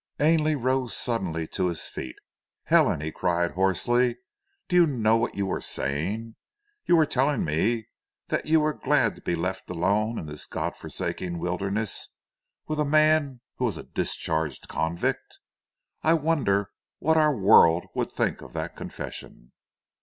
Ainley rose suddenly to his feet. "Helen," he cried hoarsely, "do you know what you are saying? You are telling me that you were glad to be left alone in this god forsaken wilderness with a man who was a discharged convict? I wonder what our world would think of that confession?"